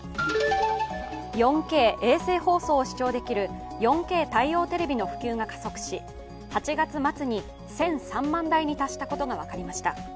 ４Ｋ衛星放送を視聴できる４Ｋ対応テレビの普及が加速し８月末に１００３万台に達したことが分かりました。